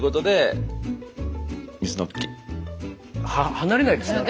離れないですね。